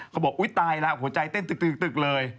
อุ๊ยตายแล้วหัวใจเต้นตึกเลย